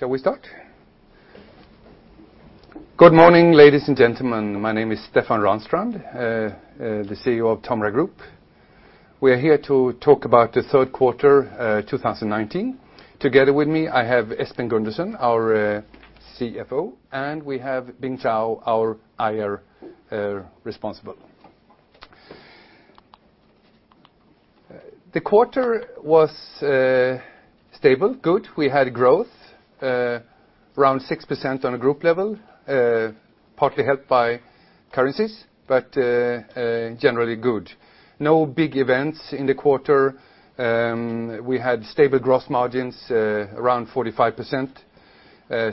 Shall we start? Good morning, ladies and gentlemen. My name is Stefan Ranstrand, the CEO of Tomra Group. We are here to talk about the third quarter 2019. Together with me, I have Espen Gundersen, our CFO, and we have Bing Zhao, our IR responsible. The quarter was stable, good. We had growth around 6% on a group level, partly helped by currencies, but generally good. No big events in the quarter. We had stable gross margins around 45%,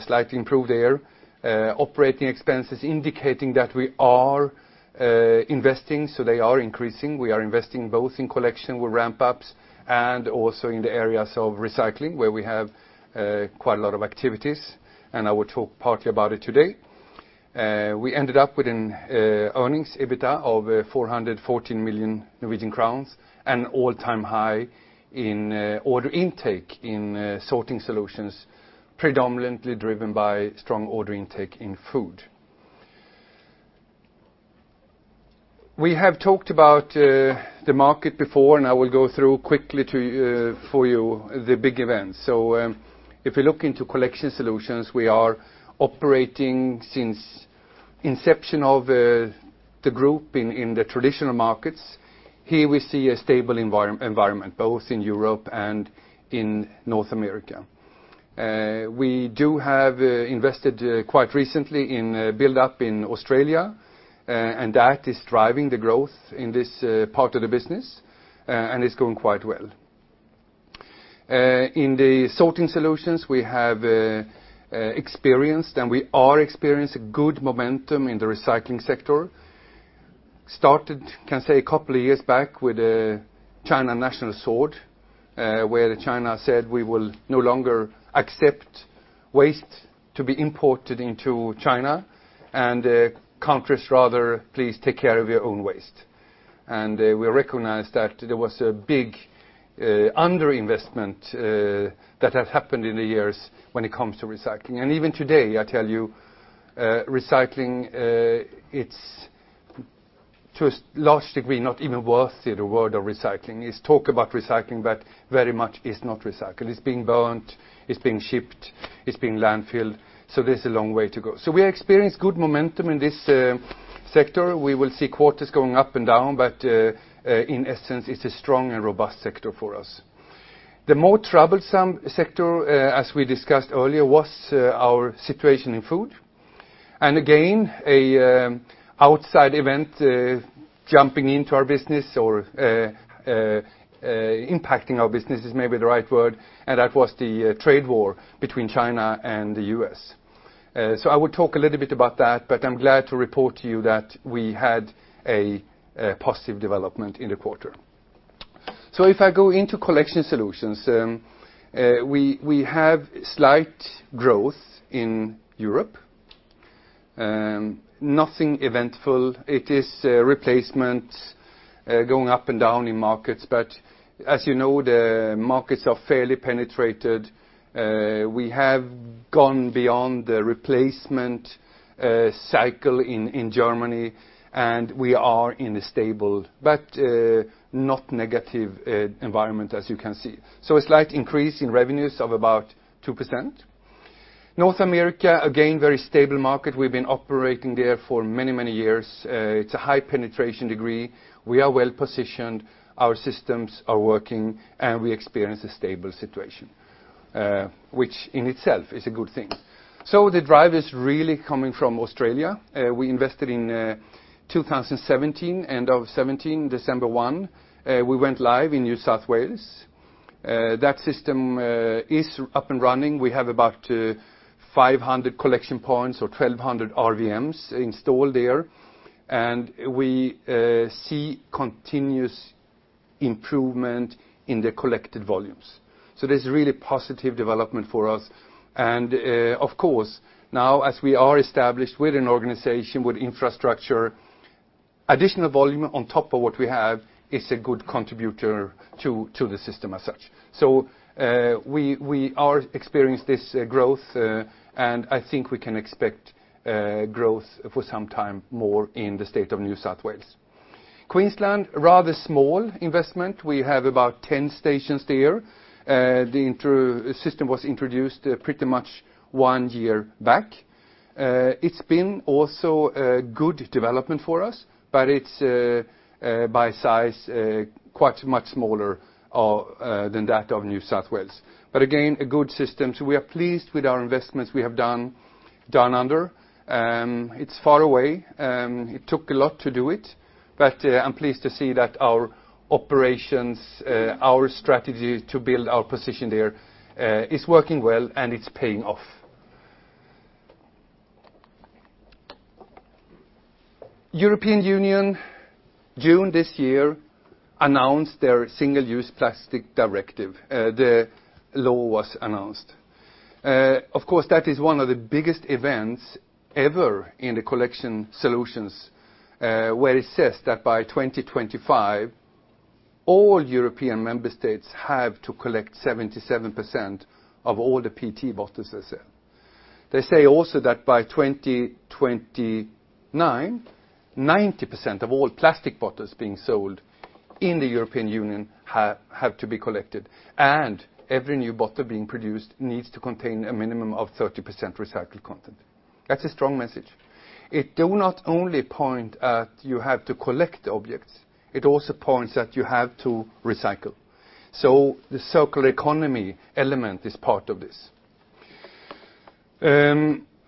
slightly improved there. Operating expenses indicating that we are investing, so they are increasing. We are investing both in collection with ramp-ups and also in the areas of recycling, where we have quite a lot of activities and I will talk partly about it today. We ended up with an earnings EBITDA of 414 million Norwegian crowns, an all-time high in order intake in sorting solutions, predominantly driven by strong order intake in food. If you look into collection solutions, we are operating since inception of the group in the traditional markets. Here we see a stable environment, both in Europe and in North America. We do have invested quite recently in build-up in Australia, and that is driving the growth in this part of the business and it's going quite well. In the sorting solutions, we have experienced and we are experiencing good momentum in the recycling sector. Started, can say a couple of years back with China National Sword, where China said, "We will no longer accept waste to be imported into China and countries rather, please take care of your own waste." We recognized that there was a big under-investment that had happened in the years when it comes to recycling. Even today, I tell you, recycling, it's to a large degree not even worthy the word of recycling. It's talk about recycling, but very much is not recycled. It's being burnt, it's being shipped, it's being landfilled. There's a long way to go. We are experience good momentum in this sector. We will see quarters going up and down, but in essence, it's a strong and robust sector for us. The more troublesome sector, as we discussed earlier, was our situation in food. Again, an outside event jumping into our business or impacting our business is maybe the right word, and that was the trade war between China and the U.S. I will talk a little bit about that, but I'm glad to report to you that we had a positive development in the quarter. If I go into collection solutions, we have slight growth in Europe. Nothing eventful. It is replacement going up and down in markets, but as you know, the markets are fairly penetrated. We have gone beyond the replacement cycle in Germany and we are in a stable but not negative environment as you can see. A slight increase in revenues of about 2%. North America, again, very stable market. We've been operating there for many, many years. It's a high penetration degree. We are well-positioned, our systems are working, and we experience a stable situation, which in itself is a good thing. The drive is really coming from Australia. We invested in 2017, end of 2017, December 1, we went live in New South Wales. That system is up and running. We have about 500 collection points or 1,200 RVMs installed there, and we see continuous improvement in the collected volumes. There's really positive development for us. Of course, now as we are established with an organization with infrastructure, additional volume on top of what we have is a good contributor to the system as such. We are experienced this growth, and I think we can expect growth for some time more in the state of New South Wales. Queensland, rather small investment. We have about 10 stations there. The system was introduced pretty much one year back. It's been also a good development for us, but it's by size, quite much smaller than that of New South Wales. Again, a good system. We are pleased with our investments we have done under. It's far away. It took a lot to do it, but I'm pleased to see that our operations, our strategy to build our position there, is working well and it's paying off. European Union, June this year, announced their Single-Use Plastics Directive. The law was announced. Of course, that is one of the biggest events ever in the collection solutions, where it says that by 2025, all European member states have to collect 77% of all the PET bottles they sell. They say also that by 2029, 90% of all plastic bottles being sold in the European Union have to be collected, and every new bottle being produced needs to contain a minimum of 30% recycled content. That's a strong message. It do not only point at you have to collect objects, it also points that you have to recycle. The circular economy element is part of this.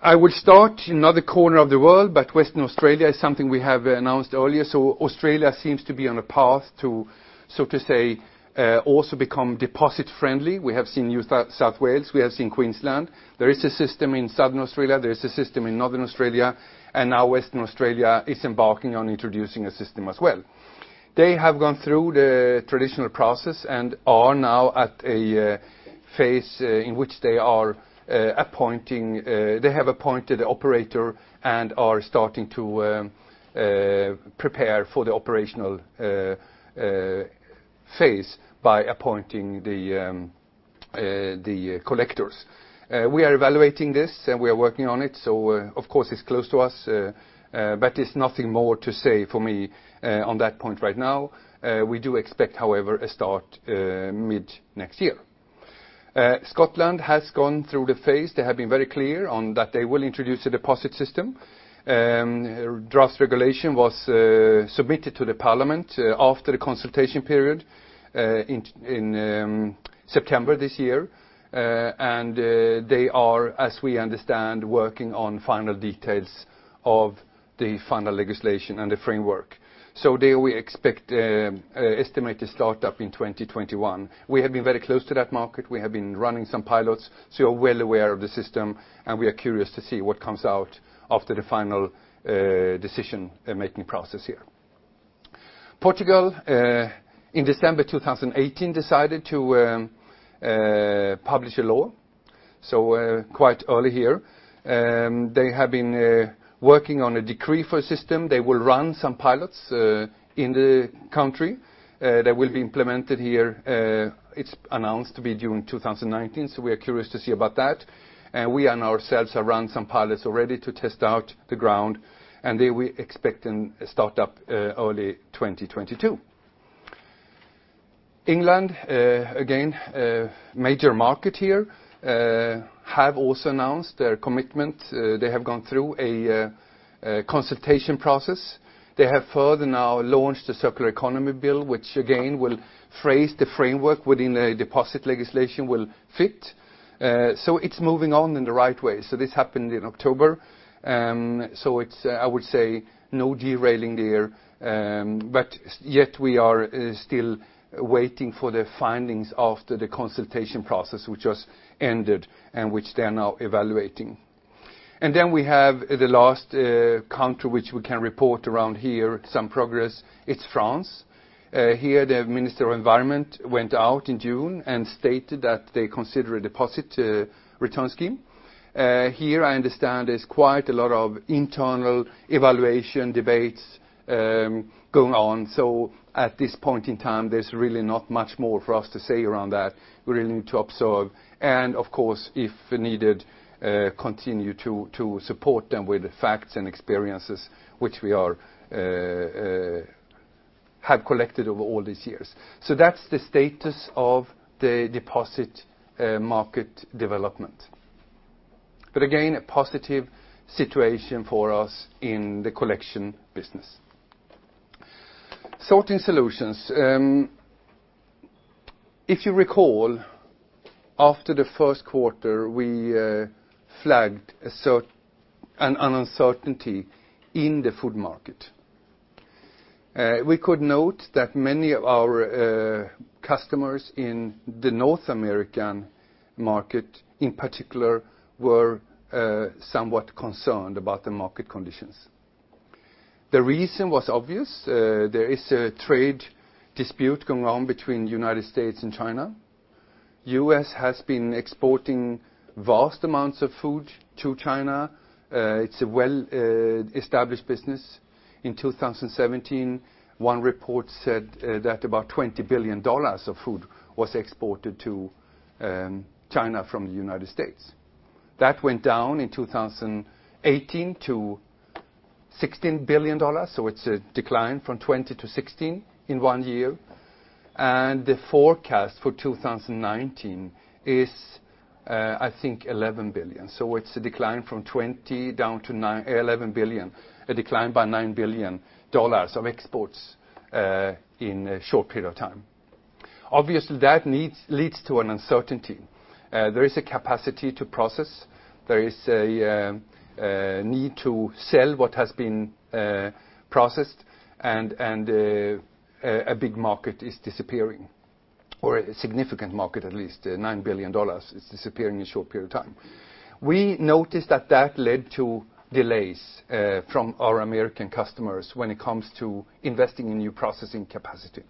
I will start another corner of the world, but Western Australia is something we have announced earlier. Australia seems to be on a path to, so to say, also become deposit friendly. We have seen New South Wales, we have seen Queensland. There is a system in South Australia, there is a system in Northern Territory, and now Western Australia is embarking on introducing a system as well. They have gone through the traditional process and are now at a phase in which they have appointed an operator and are starting to prepare for the operational phase by appointing the collectors. We are evaluating this, and we are working on it. Of course, it's close to us. It's nothing more to say for me on that point right now. We do expect, however, a start mid next year. Scotland has gone through the phase. They have been very clear on that they will introduce a deposit system. Draft regulation was submitted to the parliament after the consultation period, in September this year. They are, as we understand, working on final details of the final legislation and the framework. There we expect, estimate the startup in 2021. We have been very close to that market. We have been running some pilots, so we're well aware of the system, and we are curious to see what comes out after the final decision-making process here. Portugal, in December 2018, decided to publish a law, so quite early here. They have been working on a decree for a system. They will run some pilots in the country that will be implemented here. It's announced to be June 2019, so we are curious to see about that. We and ourselves have run some pilots already to test out the ground, and there we expecting start up early 2022. England, again, a major market here, have also announced their commitment. They have gone through a consultation process. They have further now launched the Circular Economy Bill, which again, will phrase the framework within a deposit legislation will fit. It's moving on in the right way. This happened in October. It's, I would say, no derailing there, but yet we are still waiting for the findings after the consultation process, which was ended, and which they are now evaluating. We have the last country which we can report around here, some progress, it's France. Here, the Minister of Environment went out in June and stated that they consider a deposit return scheme. Here, I understand there's quite a lot of internal evaluation debates, going on. At this point in time, there's really not much more for us to say around that. We really need to observe, and of course, if needed, continue to support them with the facts and experiences which we have collected over all these years. That's the status of the deposit market development. Again, a positive situation for us in the collection business. Sorting solutions. If you recall, after the first quarter, we flagged an uncertainty in the food market. We could note that many of our customers in the North American market, in particular, were somewhat concerned about the market conditions. The reason was obvious. There is a trade dispute going on between United States and China. U.S. has been exporting vast amounts of food to China. It's a well-established business. In 2017, one report said that about $20 billion of food was exported to China from the United States. That went down in 2018 to $16 billion, so it's a decline from 20 to 16 in one year. The forecast for 2019 is, I think, $11 billion. It's a decline from 20 down to $11 billion, a decline by $9 billion of exports in a short period of time. Obviously, that leads to an uncertainty. There is a capacity to process, there is a need to sell what has been processed. A big market is disappearing, or a significant market, at least $9 billion is disappearing in a short period of time. We noticed that that led to delays from our American customers when it comes to investing in new processing capacity.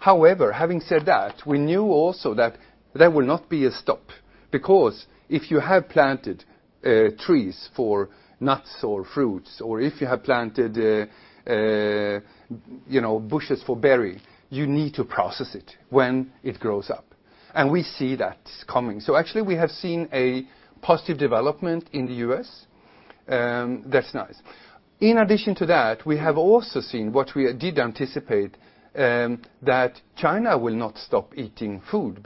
Having said that, we knew also that there will not be a stop, because if you have planted trees for nuts or fruits, or if you have planted bushes for berry, you need to process it when it grows up. We see that coming. Actually, we have seen a positive development in the U.S. That's nice. In addition to that, we have also seen what we did anticipate, that China will not stop eating food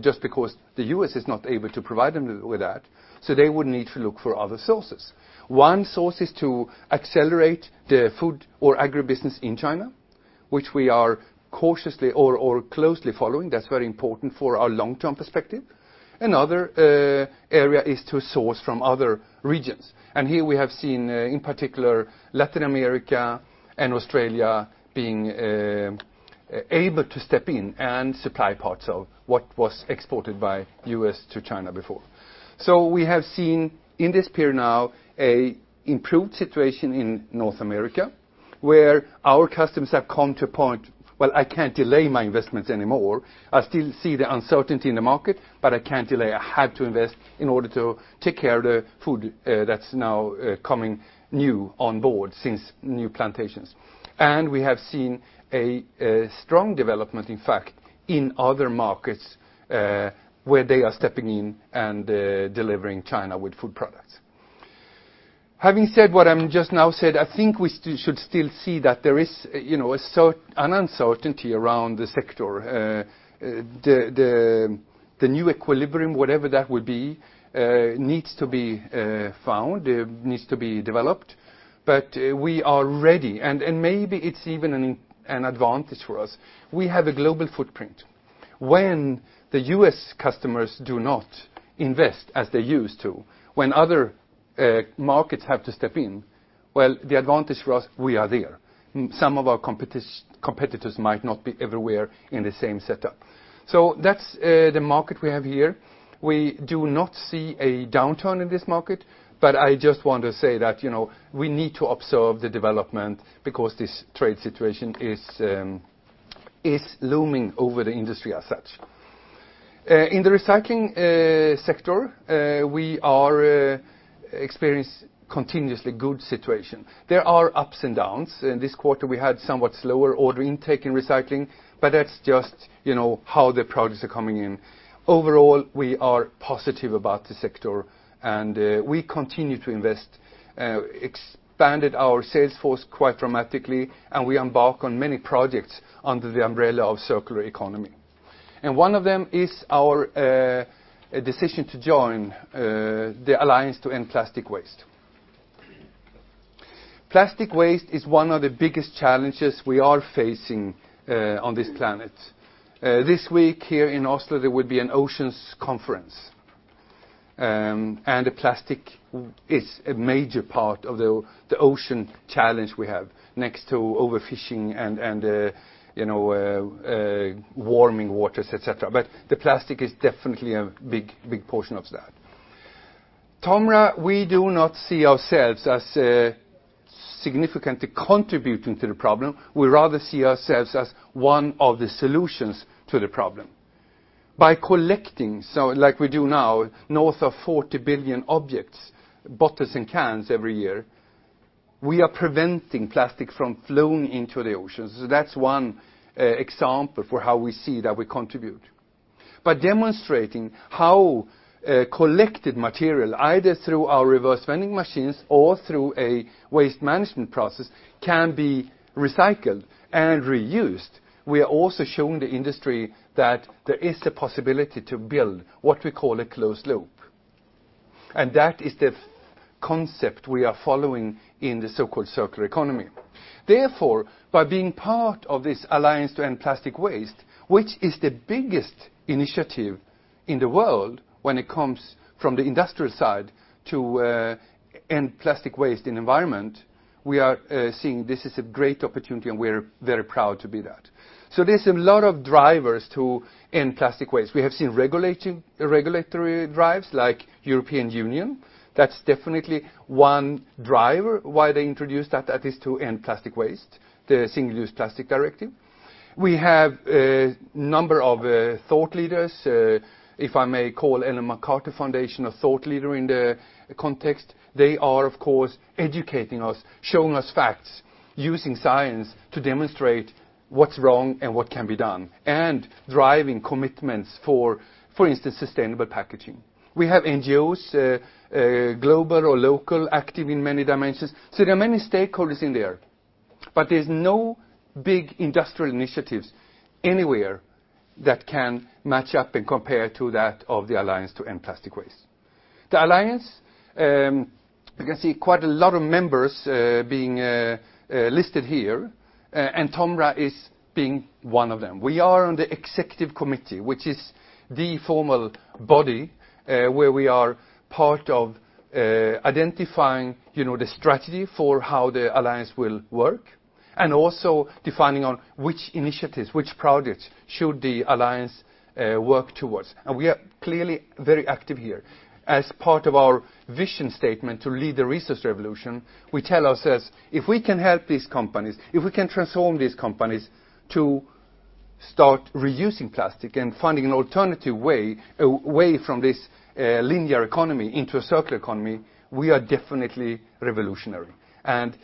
just because the U.S. is not able to provide them with that, so they would need to look for other sources. One source is to accelerate the food or agribusiness in China, which we are cautiously or closely following. That's very important for our long-term perspective. Another area is to source from other regions. Here we have seen, in particular, Latin America and Australia being able to step in and supply parts of what was exported by U.S. to China before. We have seen, in this period now, a improved situation in North America, where our customers have come to a point, "Well, I can't delay my investments anymore. I still see the uncertainty in the market, but I can't delay. I have to invest in order to take care of the food that's now coming new on board since new plantations. We have seen a strong development, in fact, in other markets, where they are stepping in and delivering China with food products. Having said what I'm just now said, I think we should still see that there is an uncertainty around the sector. The new equilibrium, whatever that will be, needs to be found, needs to be developed. We are ready, and maybe it's even an advantage for us. We have a global footprint. When the U.S. customers do not invest as they used to, when other markets have to step in, well, the advantage for us, we are there. Some of our competitors might not be everywhere in the same setup. That's the market we have here. We do not see a downturn in this market, but I just want to say that we need to observe the development because this trade situation is looming over the industry as such. In the recycling sector, we are experiencing continuously good situation. There are ups and downs. In this quarter, we had somewhat slower order intake in recycling, but that's just how the projects are coming in. Overall, we are positive about the sector, and we continue to invest, expanded our sales force quite dramatically, and we embark on many projects under the umbrella of circular economy. One of them is our decision to join the Alliance to End Plastic Waste. Plastic waste is one of the biggest challenges we are facing on this planet. This week, here in Oslo, there will be an oceans conference, plastic is a major part of the ocean challenge we have, next to overfishing and warming waters, et cetera. The plastic is definitely a big portion of that. Tomra, we do not see ourselves as significantly contributing to the problem. We rather see ourselves as one of the solutions to the problem. By collecting, like we do now, north of 40 billion objects, bottles and cans every year, we are preventing plastic from flowing into the oceans. That's one example for how we see that we contribute. By demonstrating how collected material, either through our reverse vending machines or through a waste management process, can be recycled and reused, we are also showing the industry that there is the possibility to build what we call a closed loop, and that is the concept we are following in the so-called circular economy. By being part of this Alliance to End Plastic Waste, which is the biggest initiative in the world when it comes from the industrial side to end plastic waste in environment, we are seeing this as a great opportunity, and we're very proud to be that. There's a lot of drivers to end plastic waste. We have seen regulatory drives, like European Union. That's definitely one driver why they introduced that is to end plastic waste, the Single-Use Plastics Directive. We have a number of thought leaders. If I may call Ellen MacArthur Foundation a thought leader in the context, they are, of course, educating us, showing us facts, using science to demonstrate what's wrong and what can be done, and driving commitments for instance, sustainable packaging. We have NGOs, global or local, active in many dimensions. There are many stakeholders in there, but there's no big industrial initiatives anywhere that can match up and compare to that of the Alliance to End Plastic Waste. The Alliance, you can see quite a lot of members being listed here, and Tomra is being one of them. We are on the executive committee, which is the formal body, where we are part of identifying the strategy for how the alliance will work and also defining on which initiatives, which projects should the alliance work towards. We are clearly very active here. As part of our vision statement to lead the resource revolution, we tell ourselves, if we can help these companies, if we can transform these companies to start reusing plastic and finding an alternative way away from this linear economy into a circular economy, we are definitely revolutionary and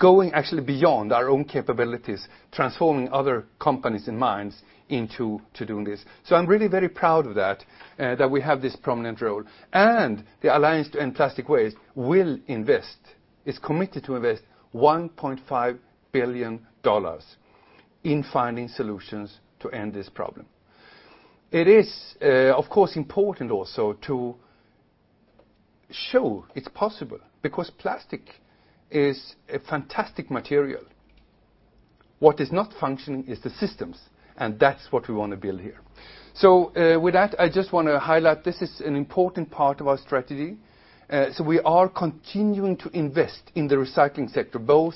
going actually beyond our own capabilities, transforming other companies and minds into doing this. I'm really very proud of that we have this prominent role. The Alliance to End Plastic Waste will invest, is committed to invest NOK 1.5 billion in finding solutions to end this problem. It is, of course, important also to show it's possible, because plastic is a fantastic material. What is not functioning is the systems, that's what we want to build here. With that, I just want to highlight this is an important part of our strategy. We are continuing to invest in the recycling sector, both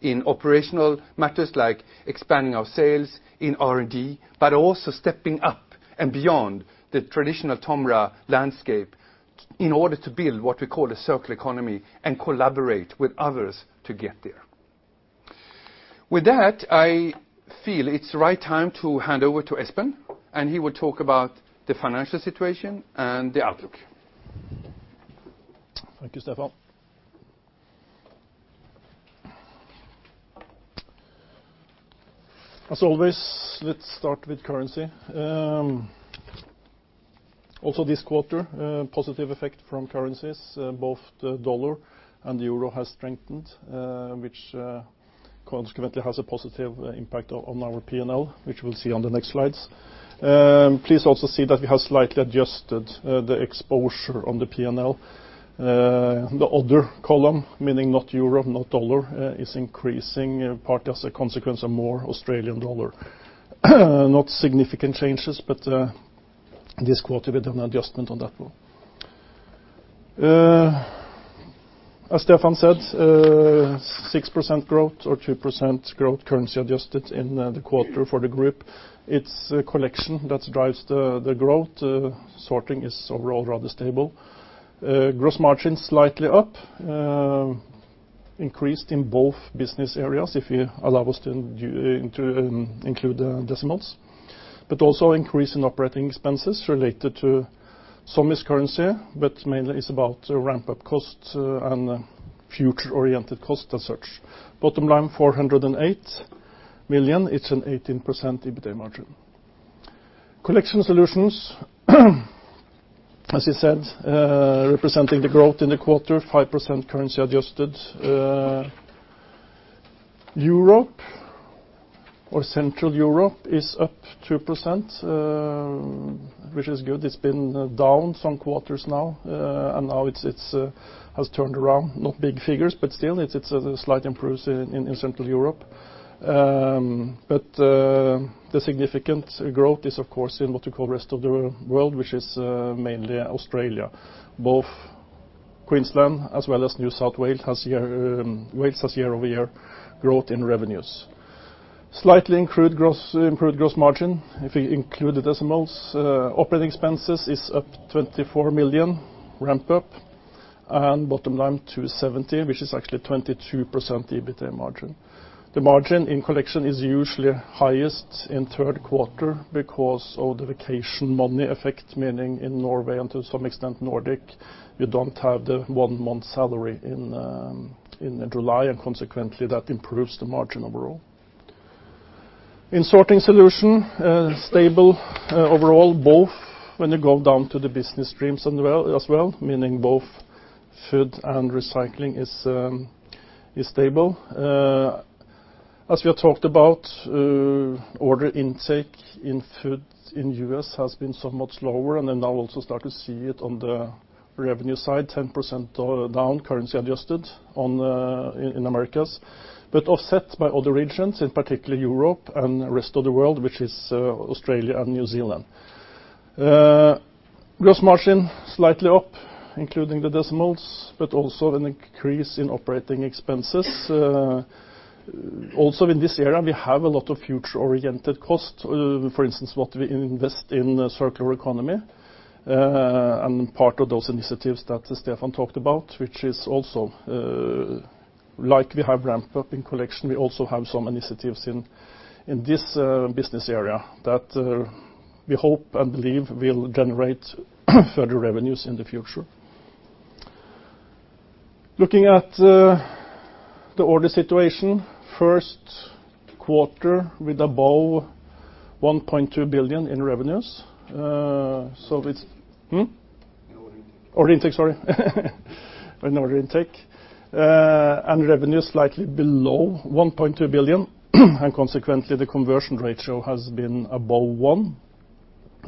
in operational matters like expanding our sales in R&D, but also stepping up and beyond the traditional Tomra landscape in order to build what we call a circular economy and collaborate with others to get there. With that, I feel it's the right time to hand over to Espen, and he will talk about the financial situation and the outlook. Thank you, Stefan. As always, let's start with currency. Also, this quarter, positive effect from currencies. Both the $ and the EUR has strengthened, which consequently has a positive impact on our P&L, which we'll see on the next slides. Please also see that we have slightly adjusted the exposure on the P&L. The other column, meaning not EUR, not $, is increasing partly as a consequence of more AUD. Not significant changes, but this quarter we did an adjustment on that one. As Stefan said, 6% growth or 2% growth currency adjusted in the quarter for the group. It's collection that drives the growth. Sorting is overall rather stable. Gross margin's slightly up, increased in both business areas, if you allow us to include the decimals, but also increase in operating expenses related to some miscellaneous, but mainly it's about ramp-up costs and future-oriented costs as such. Bottom line, 408 million, it's an 18% EBITDA margin. Collection solutions, as you said, representing the growth in the quarter, 5% currency adjusted. Europe or Central Europe is up 2%, which is good. It's been down some quarters now. Now it has turned around. Not big figures, still it's a slight improvement in Central Europe. The significant growth is, of course, in what we call rest of the world, which is mainly Australia. Both Queensland as well as New South Wales has year-over-year growth in revenues. Slightly improved gross margin, if you include the decimals. Operating expenses is up 24 million ramp-up. Bottom line 270, which is actually 22% EBITDA margin. The margin in collection is usually highest in third quarter because of the vacation money effect, meaning in Norway and to some extent Nordic, you don't have the one-month salary in July, and consequently, that improves the margin overall. In sorting solution, stable overall, both when you go down to the business streams as well, meaning both food and recycling is stable. As we have talked about, order intake in food in U.S. has been somewhat slower, and then now also start to see it on the revenue side, 10% down currency adjusted in Americas, but offset by other regions, in particular Europe and rest of the world, which is Australia and New Zealand. Gross margin slightly up, including the decimals, but also an increase in operating expenses. Also in this area, we have a lot of future-oriented costs. For instance, what we invest in circular economy, and part of those initiatives that Stefan talked about, which is also like we have ramp-up in collection, we also have some initiatives in this business area that we hope and believe will generate further revenues in the future. Looking at the order situation, first quarter with above 1.2 billion in revenues. In order intake. Order intake, sorry. In order intake. Revenue slightly below 1.2 billion, and consequently, the conversion ratio has been above one,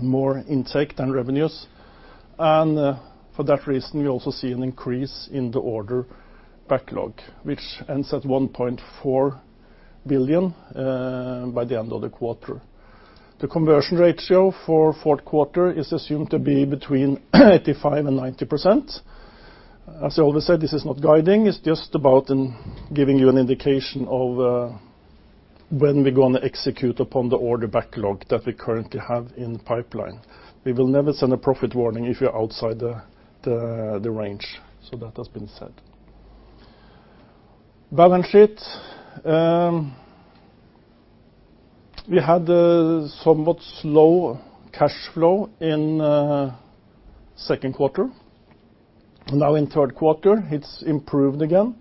more intake than revenues. For that reason, we also see an increase in the order backlog, which ends at 1.4 billion by the end of the quarter. The conversion ratio for fourth quarter is assumed to be between 85% and 90%. As I always said, this is not guiding. It's just about giving you an indication of when we're going to execute upon the order backlog that we currently have in pipeline. We will never send a profit warning if we're outside the range. That has been said. Balance sheet. We had a somewhat slow cash flow in second quarter. Now in third quarter, it's improved again.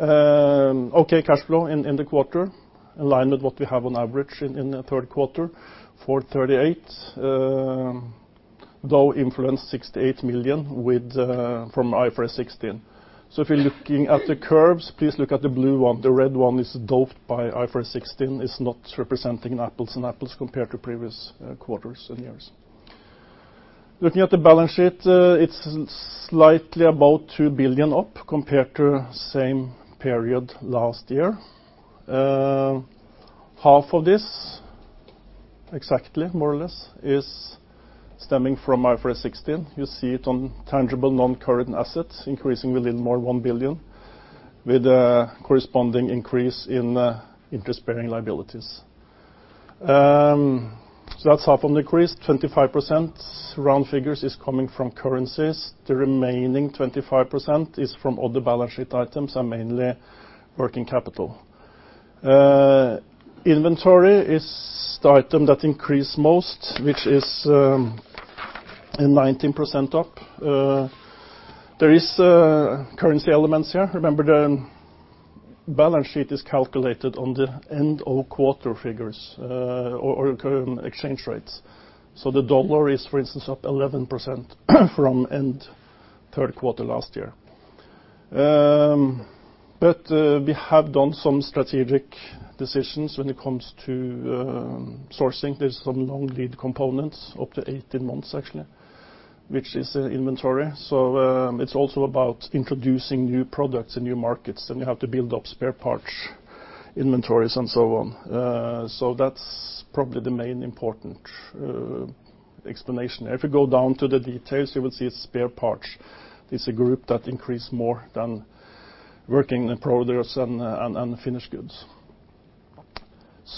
Okay, cash flow in the quarter, in line with what we have on average in the third quarter, 438, though influenced 68 million from IFRS 16. If you're looking at the curves, please look at the blue one. The red one is doped by IFRS 16, is not representing apples and apples compared to previous quarters and years. Looking at the balance sheet, it's slightly about 2 billion up compared to same period last year. Half of this, exactly more or less, is stemming from IFRS 16. You see it on tangible non-current assets increasing with more 1 billion with a corresponding increase in interest-bearing liabilities. That's half on decrease, 25%, round figures is coming from currencies. The remaining 25% is from other balance sheet items, and mainly working capital. Inventory is the item that increased most, which is 19% up. There is currency elements here. Remember, the balance sheet is calculated on the end of quarter figures or current exchange rates. The dollar is, for instance, up 11% from end third quarter last year. We have done some strategic decisions when it comes to sourcing. There's some long lead components, up to 18 months actually, which is inventory. It's also about introducing new products and new markets, and you have to build up spare parts inventories and so on. That's probably the main important explanation. If you go down to the details, you will see spare parts is a group that increased more than working in progress and finished goods.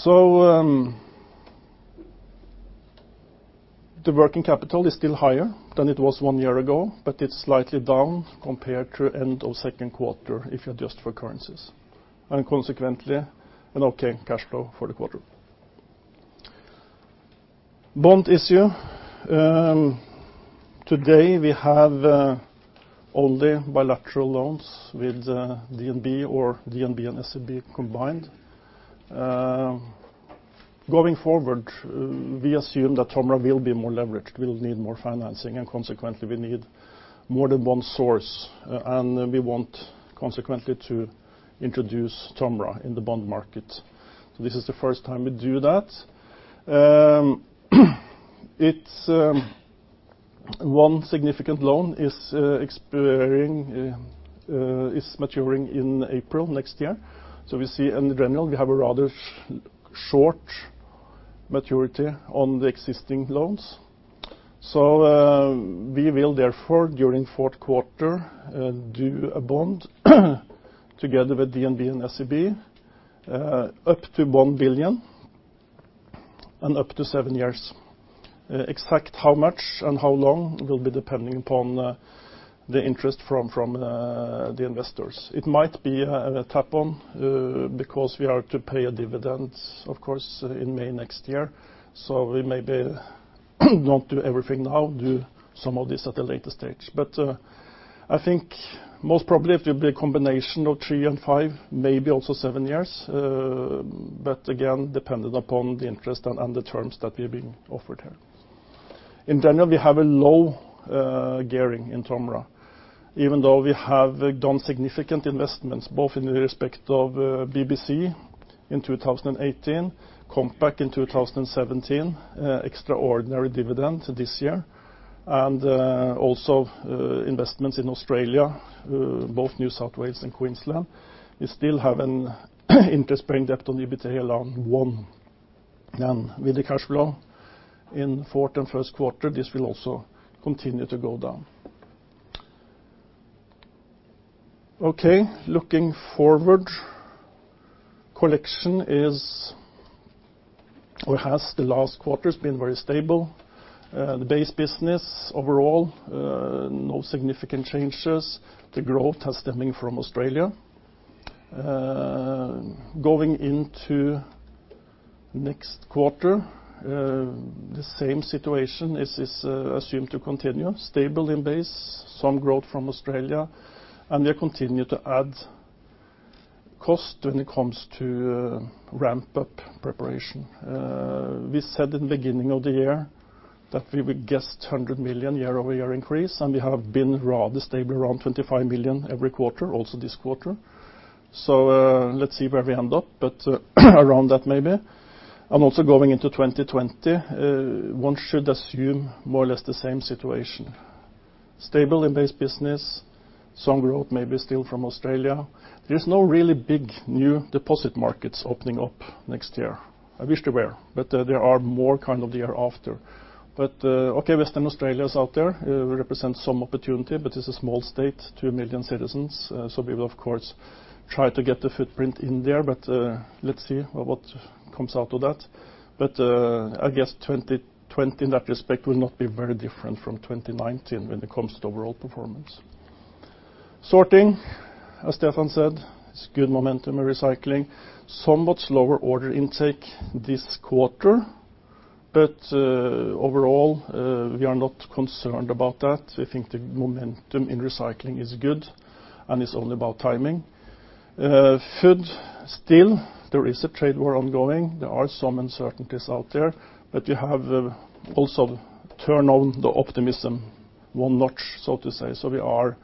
The working capital is still higher than it was one year ago, but it's slightly down compared to end of second quarter if you adjust for currencies. Consequently, an okay cash flow for the quarter. Bond issue. Today, we have only bilateral loans with DNB or DNB and SEB combined. Going forward, we assume that Tomra will be more leveraged. We'll need more financing, and consequently, we need more than one source, and we want consequently to introduce Tomra in the bond market. This is the first time we do that. One significant loan is maturing in April next year. We see in general, we have a rather short maturity on the existing loans. We will therefore, during fourth quarter, do a bond together with DNB and SEB, up to 1 billion and up to seven years. Exact how much and how long will be depending upon the interest from the investors. It might be a tap on because we are to pay a dividend, of course, in May next year. We maybe don't do everything now, do some of this at a later stage. I think most probably it will be a combination of three and five, maybe also seven years. Again, dependent upon the interest and the terms that we're being offered here. In general, we have a low gearing in Tomra. Even though we have done significant investments, both in the respect of BBC in 2018, Compac in 2017, extraordinary dividend this year, and also investments in Australia, both New South Wales and Queensland. We still have an interest-bearing debt on EBITDA loan 1, and with the cash flow in fourth and first quarter, this will also continue to go down. Looking forward. Collection has the last quarters been very stable. The base business overall, no significant changes. The growth is stemming from Australia. Going into next quarter, the same situation is assumed to continue. Stable in base, some growth from Australia, we are continue to add cost when it comes to ramp-up preparation. We said in the beginning of the year that we would guess 100 million year-over-year increase, and we have been rather stable around 25 million every quarter, also this quarter. Let's see where we end up, but around that maybe. Also going into 2020, one should assume more or less the same situation. Stable in base business. Some growth maybe still from Australia. There's no really big new deposit markets opening up next year. I wish there were, but there are more kind of the year after. Okay, Western Australia is out there, represents some opportunity, but it's a small state, 2 million citizens. We will, of course, try to get the footprint in there, but let's see what comes out of that. I guess 2020 in that respect will not be very different from 2019 when it comes to overall performance. Sorting, as Stefan said, is good momentum in recycling. Somewhat slower order intake this quarter. Overall, we are not concerned about that. We think the momentum in recycling is good, and it's only about timing. Food, still, there is a trade war ongoing. There are some uncertainties out there. We have also turned on the optimism one notch, so to say. We are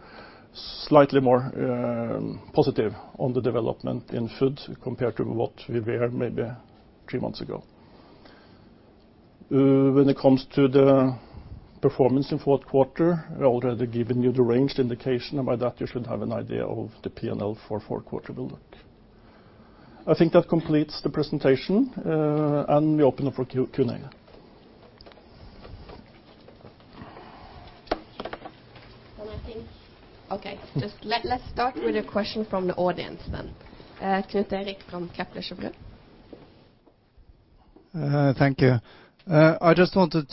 slightly more positive on the development in food compared to what we were maybe three months ago. When it comes to the performance in fourth quarter, I already given you the range indication, and by that you should have an idea of the P&L for fourth quarter will look. I think that completes the presentation. We open up for Q&A. I think. Okay, just let's start with a question from the audience then. Knut-Erik from Kepler Cheuvreux. Thank you. I just wanted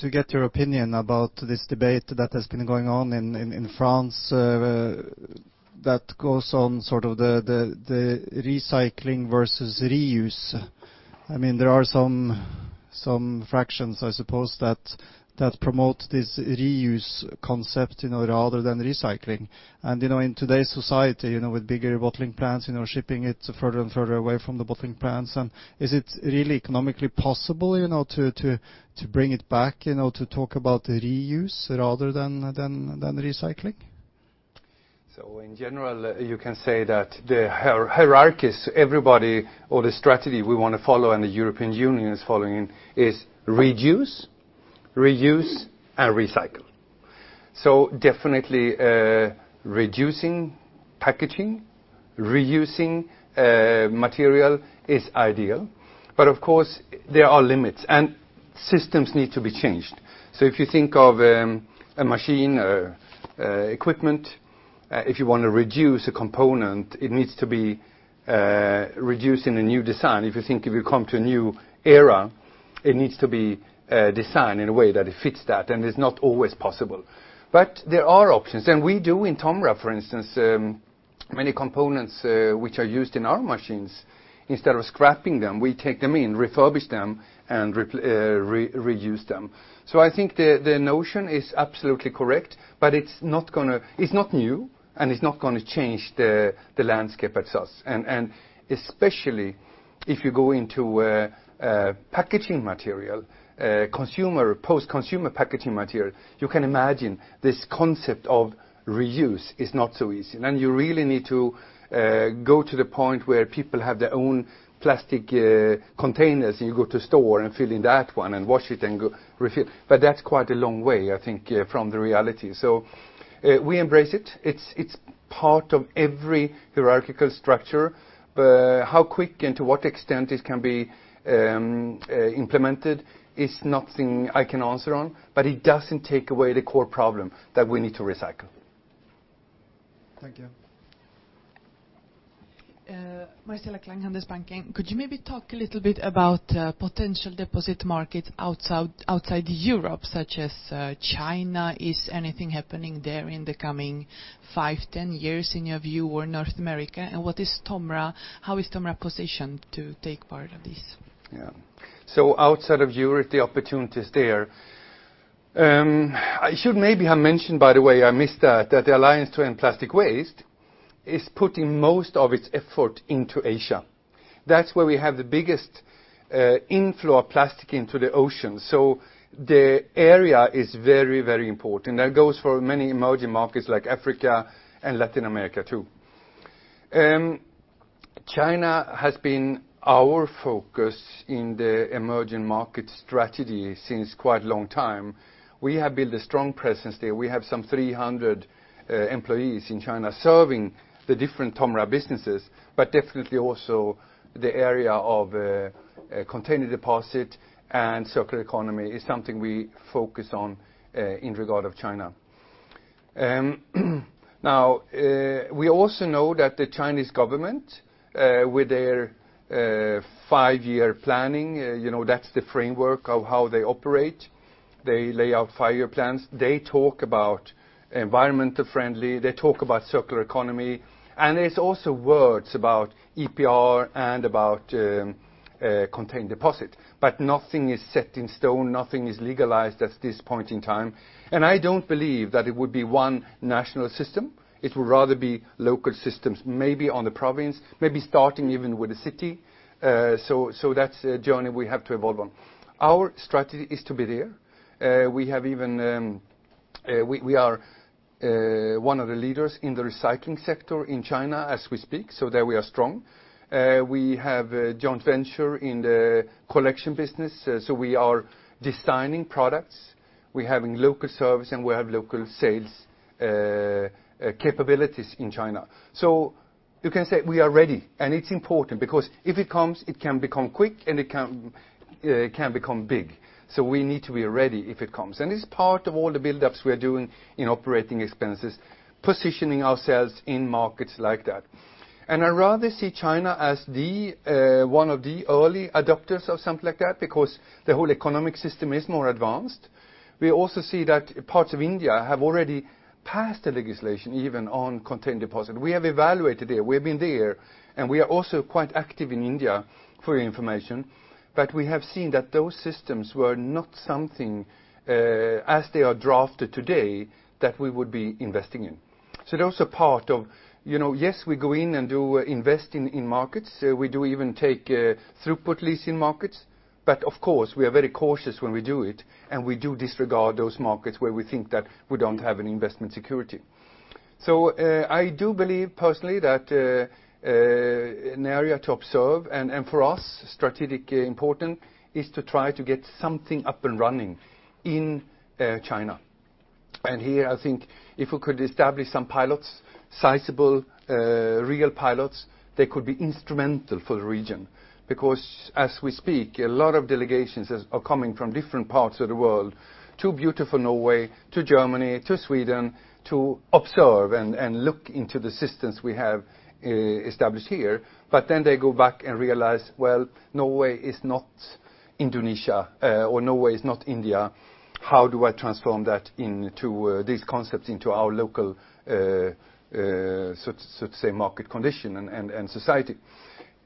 to get your opinion about this debate that has been going on in France, that goes on the recycling versus reuse. There are some fractions, I suppose, that promote this reuse concept, rather than recycling. In today's society, with bigger bottling plants, shipping it further and further away from the bottling plants, is it really economically possible to bring it back, to talk about the reuse rather than the recycling? In general, you can say that the hierarchies, everybody or the strategy we want to follow and the European Union is following is reduce, reuse, and recycle. Definitely, reducing packaging, reusing material is ideal. Of course, there are limits, and systems need to be changed. If you think of a machine, equipment, if you want to reduce a component, it needs to be reduced in a new design. If you think if you come to a new era, it needs to be designed in a way that it fits that, and it's not always possible. There are options, and we do in Tomra, for instance, many components, which are used in our machines, instead of scrapping them, we take them in, refurbish them and reuse them. I think the notion is absolutely correct, but it's not new, and it's not going to change the landscape as such. Especially if you go into packaging material, post-consumer packaging material, you can imagine this concept of reuse is not so easy. You really need to go to the point where people have their own plastic containers, and you go to store and fill in that one and wash it and go refill. That's quite a long way, I think, from the reality. We embrace it. It's part of every hierarchical structure. How quick and to what extent this can be implemented is nothing I can answer on, but it doesn't take away the core problem that we need to recycle. Thank you. Marcela [Kleinhandes], [Bankent]. Could you maybe talk a little bit about potential deposit markets outside Europe, such as China? Is anything happening there in the coming five, 10 years in your view, or North America? How is Tomra positioned to take part of this? Outside of Europe, the opportunities there. I should maybe have mentioned, by the way, I missed that the Alliance to End Plastic Waste is putting most of its effort into Asia. That's where we have the biggest inflow of plastic into the ocean. The area is very important. That goes for many emerging markets like Africa and Latin America, too. China has been our focus in the emerging market strategy since quite a long time. We have built a strong presence there. We have some 300 employees in China serving the different Tomra businesses, but definitely also the area of container deposit and circular economy is something we focus on in regard of China. We also know that the Chinese government, with their five-year planning, that's the framework of how they operate. They lay out five-year plans. They talk about environmental friendly, they talk about circular economy, and it's also words about EPR and about container deposit. Nothing is set in stone, nothing is legalized at this point in time. I don't believe that it would be one national system. It will rather be local systems, maybe on the province, maybe starting even with the city. That's a journey we have to evolve on. Our strategy is to be there. We are one of the leaders in the recycling sector in China as we speak, so there we are strong. We have a joint venture in the collection business, so we are designing products. We have local service, and we have local sales capabilities in China. You can say we are ready, and it's important because if it comes, it can become quick, and it can become big. We need to be ready if it comes. It's part of all the buildups we are doing in operating expenses, positioning ourselves in markets like that. I rather see China as one of the early adopters of something like that, because the whole economic system is more advanced. We also see that parts of India have already passed the legislation, even on container deposit. We have evaluated there, we have been there, and we are also quite active in India, for your information. We have seen that those systems were not something, as they are drafted today, that we would be investing in. Those are part of, yes, we go in and do invest in markets. We do even take throughput leasing markets. Of course, we are very cautious when we do it, and we do disregard those markets where we think that we don't have any investment security. I do believe personally that an area to observe, and for us, strategically important, is to try to get something up and running in China. Here, I think if we could establish some pilots, sizable, real pilots, they could be instrumental for the region. Because as we speak, a lot of delegations are coming from different parts of the world to beautiful Norway, to Germany, to Sweden, to observe and look into the systems we have established here. They go back and realize, well, Norway is not Indonesia, or Norway is not India. How do I transform these concepts into our local, so to say, market condition and society?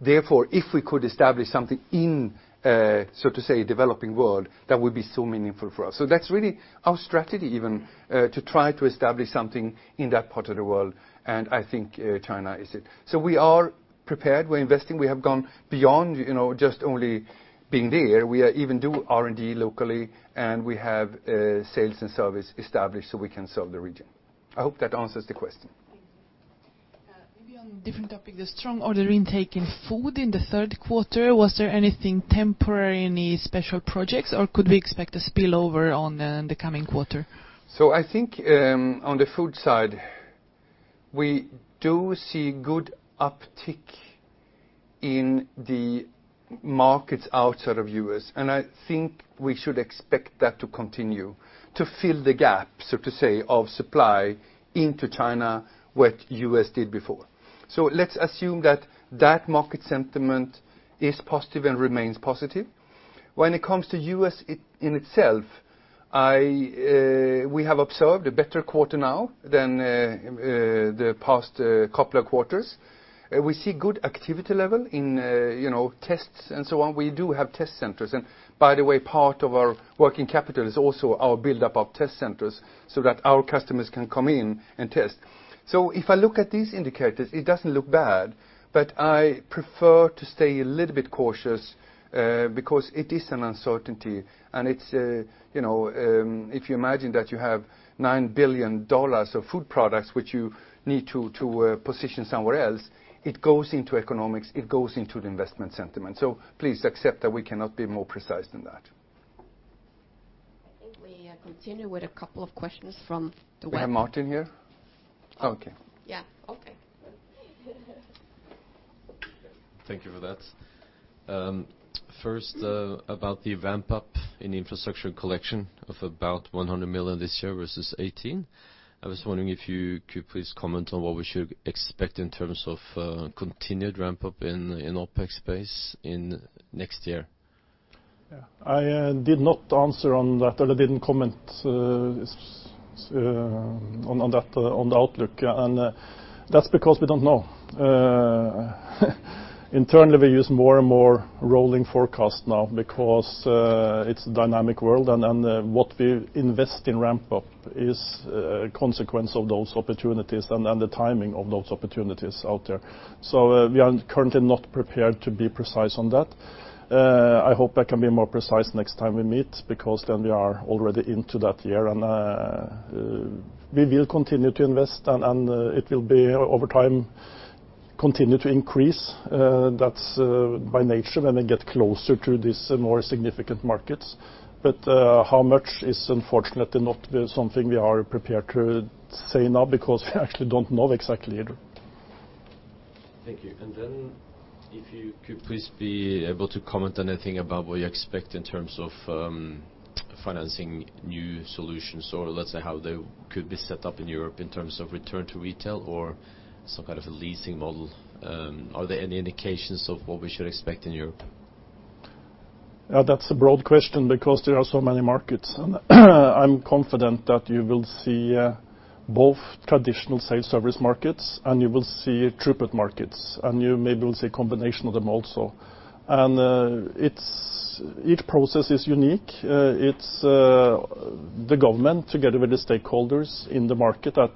Therefore, if we could establish something in, so to say, a developing world, that would be so meaningful for us. That's really our strategy, Even, to try to establish something in that part of the world, and I think China is it. We are prepared. We're investing. We have gone beyond just only being there. We even do R&D locally, and we have sales and service established so we can serve the region. I hope that answers the question. Thank you. Maybe on different topic, the strong order intake in food in the third quarter, was there anything temporary, any special projects, or could we expect a spillover on the coming quarter? I think on the food side, we do see good uptick in the markets outside of U.S., and I think we should expect that to continue to fill the gap, so to say, of supply into China, what U.S. did before. Let's assume that that market sentiment is positive and remains positive. When it comes to U.S. in itself, we have observed a better quarter now than the past couple of quarters. We see good activity level in tests and so on. We do have test centers. By the way, part of our working capital is also our buildup of test centers so that our customers can come in and test. If I look at these indicators, it doesn't look bad, but I prefer to stay a little bit cautious, because it is an uncertainty. If you imagine that you have NOK 9 billion of food products, which you need to position somewhere else, it goes into economics. It goes into the investment sentiment. Please accept that we cannot be more precise than that. I think we continue with a couple of questions from the web. We have Martin here? Okay. Yeah. Okay. Thank you for that. First, about the ramp-up in infrastructure collection of about 100 million this year versus 18. I was wondering if you could please comment on what we should expect in terms of continued ramp-up in OpEx space in next year. Yeah. I did not answer on that, or I didn't comment on the outlook. That's because we don't know. Internally, we use more and more rolling forecast now because it's a dynamic world, and what we invest in ramp-up is a consequence of those opportunities and the timing of those opportunities out there. We are currently not prepared to be precise on that. I hope I can be more precise next time we meet, because then we are already into that year, and we will continue to invest, and it will, over time, continue to increase. That's by nature, when we get closer to these more significant markets. How much is unfortunately not something we are prepared to say now, because we actually don't know exactly either. Thank you. If you could please be able to comment anything about what you expect in terms of financing new solutions, or let's say, how they could be set up in Europe in terms of return to retail or some kind of a leasing model? Are there any indications of what we should expect in Europe? That's a broad question, because there are so many markets. I'm confident that you will see both traditional sales service markets, and you will see throughput markets, and you maybe will see a combination of them also. Each process is unique. It's the government, together with the stakeholders in the market, at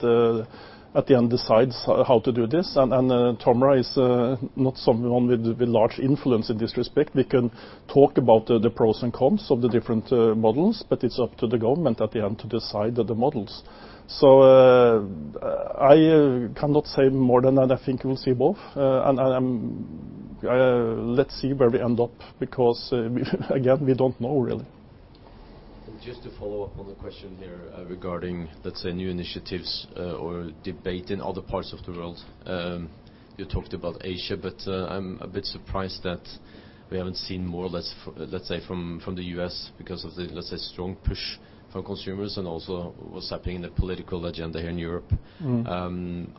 the end decides how to do this, and Tomra is not someone with large influence in this respect. We can talk about the pros and cons of the different models, but it's up to the government at the end to decide the models. I cannot say more than that. I think we'll see both. Let's see where we end up, because, again, we don't know, really. Just to follow up on the question here regarding, let's say, new initiatives or debate in other parts of the world. You talked about Asia, but I'm a bit surprised that we haven't seen more, let's say, from the U.S. because of the, let's say, strong push from consumers and also what's happening in the political agenda here in Europe.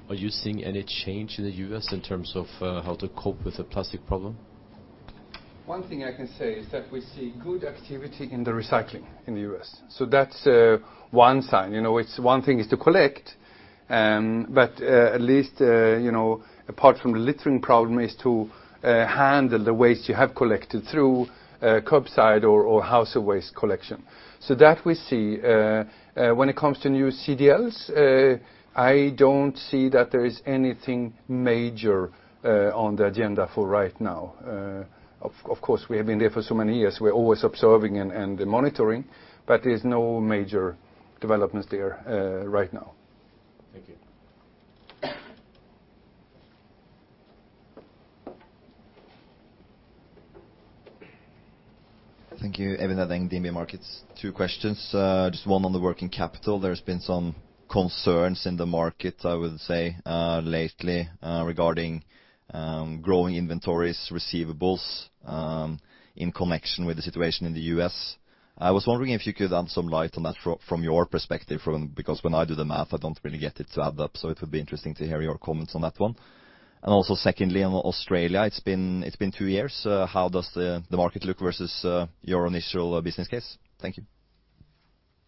Are you seeing any change in the U.S. in terms of how to cope with the plastic problem? One thing I can say is that we see good activity in the recycling in the U.S. That's one sign. One thing is to collect, but at least, apart from the littering problem, is to handle the waste you have collected through curbside or household waste collection. That we see. When it comes to new CDLs, I don't see that there is anything major on the agenda for right now. Of course, we have been there for so many years. We're always observing and monitoring, but there's no major developments there right now. Thank you. Thank you, Espen. Adam D, MBA Markets. Two questions, just one on the working capital. There's been some concerns in the market, I would say, lately regarding growing inventories, receivables in connection with the situation in the U.S. I was wondering if you could add some light on that from your perspective because when I do the math, I don't really get it to add up. It would be interesting to hear your comments on that one. Also secondly, on Australia, it's been two years. How does the market look versus your initial business case? Thank you.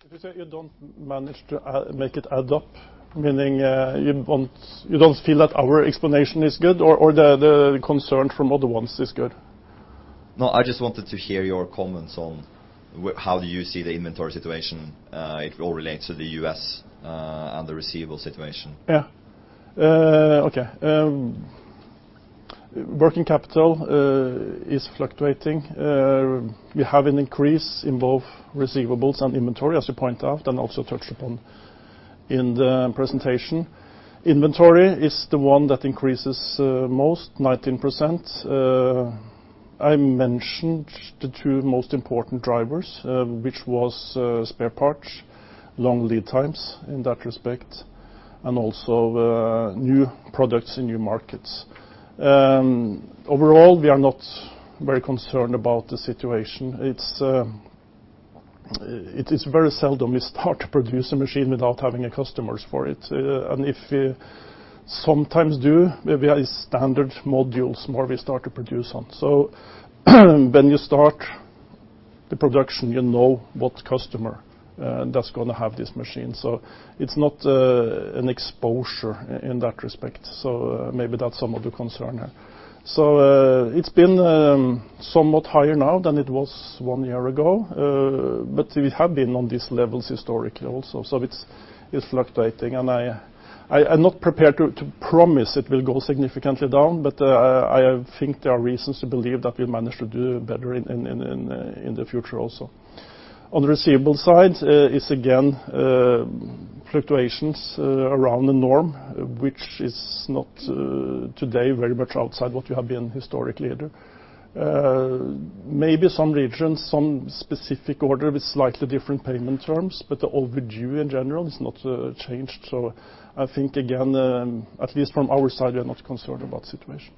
If you say you don't manage to make it add up, meaning you don't feel that our explanation is good or the concern from other ones is good? No, I just wanted to hear your comments on how do you see the inventory situation. It all relates to the U.S. and the receivable situation. Yeah. Okay. Working capital is fluctuating. You have an increase in both receivables and inventory, as you point out, and also touched upon in the presentation. Inventory is the one that increases most, 19%. I mentioned the two most important drivers, which was spare parts, long lead times in that respect, and also new products in new markets. Overall, we are not very concerned about the situation. It is very seldom you start to produce a machine without having customers for it. If we sometimes do, maybe a standard modules more we start to produce on. When you start the production, you know what customer that's going to have this machine. It's not an exposure in that respect. Maybe that's some of the concern, yeah. It's been somewhat higher now than it was one year ago. We have been on these levels historically also. It's fluctuating, and I'm not prepared to promise it will go significantly down, but I think there are reasons to believe that we'll manage to do better in the future also. On the receivable side is again fluctuations around the norm, which is not today very much outside what we have been historically either. Maybe some regions, some specific order with slightly different payment terms, but the overdue in general is not changed. I think again, at least from our side, we are not concerned about situation.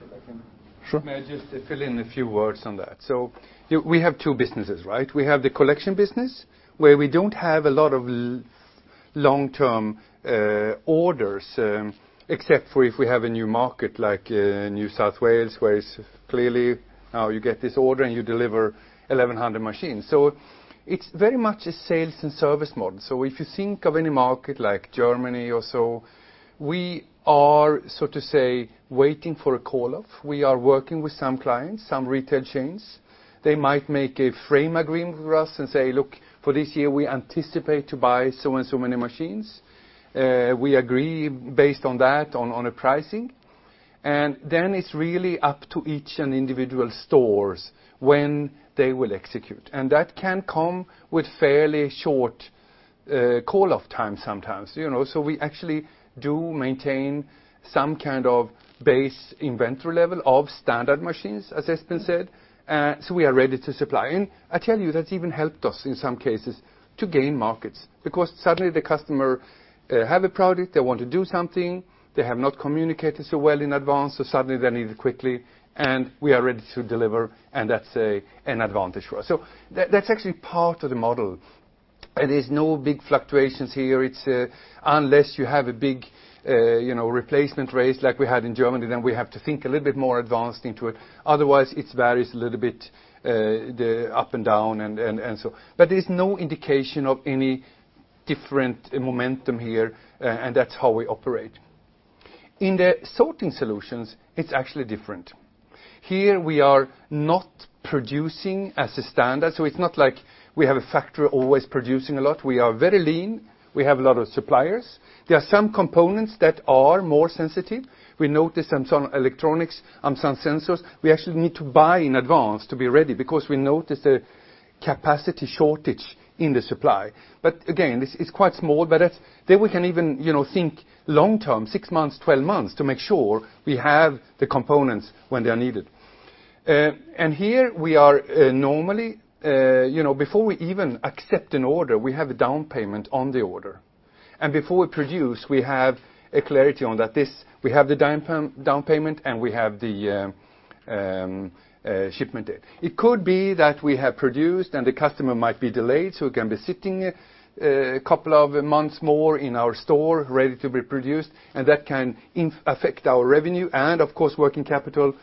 If I can- Sure. May I just fill in a few words on that? We have two businesses, right? We have the collection business, where we don't have a lot of long-term orders, except for if we have a new market like New South Wales, where it's clearly now you get this order and you deliver 1,100 machines. It's very much a sales and service model. If you think of any market like Germany or so, we are so to say, waiting for a call off. We are working with some clients, some retail chains. They might make a frame agreement with us and say, "Look, for this year, we anticipate to buy so and so many machines." We agree based on that, on a pricing. It's really up to each individual store when they will execute. That can come with fairly short call off times sometimes. We actually do maintain some kind of base inventory level of standard machines, as Espen said. We are ready to supply. I tell you, that's even helped us in some cases to gain markets, because suddenly the customer have a product, they want to do something, they have not communicated so well in advance, so suddenly they need it quickly, and we are ready to deliver, and that's an advantage for us. That's actually part of the model. There's no big fluctuations here. It's unless you have a big replacement race like we had in Germany, then we have to think a little bit more advanced into it. Otherwise, it varies a little bit up and down and so on. There's no indication of any different momentum here, and that's how we operate. In the sorting solutions, it's actually different. Here we are not producing as a standard. It's not like we have a factory always producing a lot. We are very lean. We have a lot of suppliers. There are some components that are more sensitive. We notice some electronics, some sensors. We actually need to buy in advance to be ready because we notice a capacity shortage in the supply. Again, it's quite small, but there we can even think long-term, 6 months, 12 months, to make sure we have the components when they are needed. Here we are normally, before we even accept an order, we have a down payment on the order. Before we produce, we have a clarity on that. We have the down payment, and we have the shipment date. It could be that we have produced and the customer might be delayed, so it can be sitting a couple of months more in our store ready to be produced, and that can affect our revenue and of course working capital.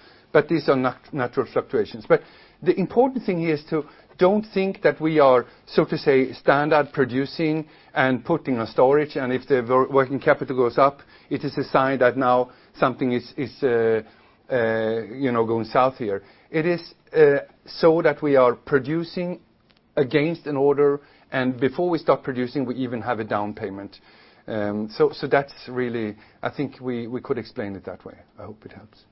These are natural fluctuations. The important thing here is to not think that we are, so to say, standard producing and putting in storage, and if the working capital goes up, it is a sign that now something is going south here. It is so that we are producing against an order, and before we start producing, we even have a down payment. That's really, I think we could explain it that way. I hope it helps.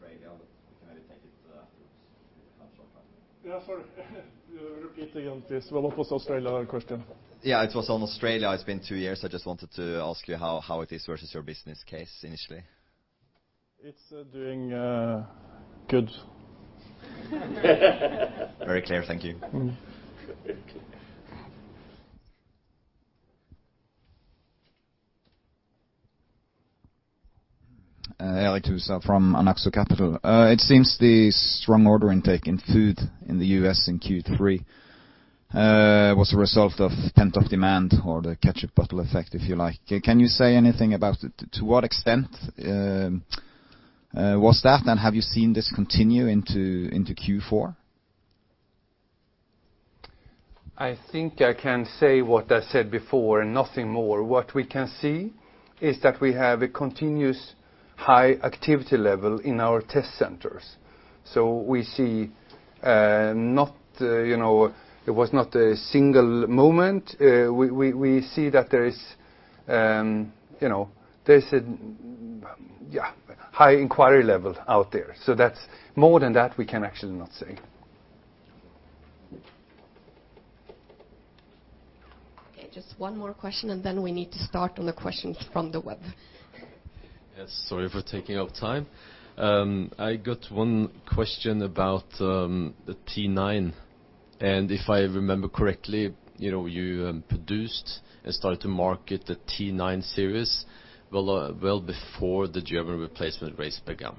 Second question was on Australia, but we can maybe take it afterwards. Yeah, sorry. Repeating on this. Well, it was Australia question. Yeah, it was on Australia. It's been two years. I just wanted to ask you how it is versus your business case initially. It's doing good. Very clear. Thank you. Okay. [Eirik Thune] from [Norkapital]. It seems the strong order intake in food in the U.S. in Q3 was a result of pent-up demand or the ketchup bottle effect, if you like. Can you say anything about to what extent was that, and have you seen this continue into Q4? I think I can say what I said before and nothing more. What we can see is that we have a continuous high activity level in our test centers. We see it was not a single moment. We see that there's a high inquiry level out there. That's more than that we can actually not say. Okay, just one more question and then we need to start on the questions from the web. Yes, sorry for taking up time. I got one question about the T9. If I remember correctly, you produced and started to market the T9 series well before the German replacement race began,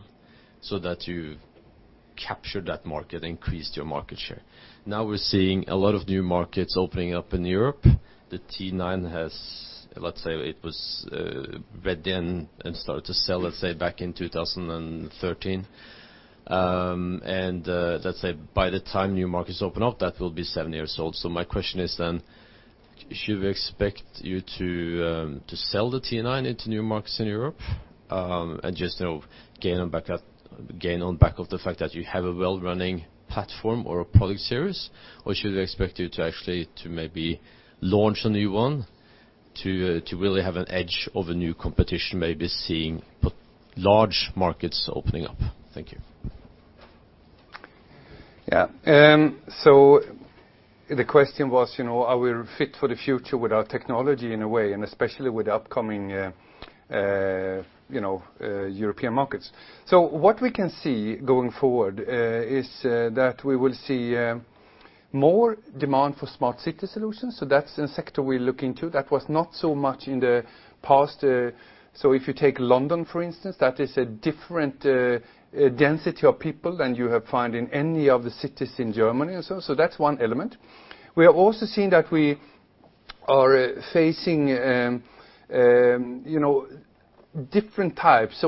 so that you captured that market, increased your market share. We're seeing a lot of new markets opening up in Europe. The T9 has, let's say it was ready then and started to sell, let's say back in 2013. Let's say by the time new markets open up, that will be seven years old. My question is then, should we expect you to sell the T9 into new markets in Europe? Just gain on back of the fact that you have a well-running platform or a product series? Should we expect you to actually maybe launch a new one to really have an edge over new competition, maybe seeing large markets opening up? Thank you. The question was, are we fit for the future with our technology in a way, and especially with the upcoming European markets. What we can see going forward is that we will see more demand for smart city solutions, so that's the sector we look into. That was not so much in the past. If you take London, for instance, that is a different density of people than you have found in any of the cities in Germany. That's one element. We are also seeing that we are facing different types.